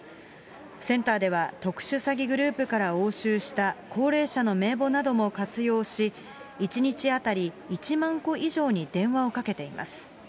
センターでは、特殊詐欺グループから押収した高齢者の名簿なども活用し、１日当たり１万戸以上に電話をかけています。